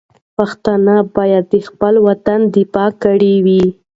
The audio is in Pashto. پښتانه به د خپل وطن دفاع کړې وي.